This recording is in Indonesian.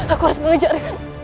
aku harus mengejar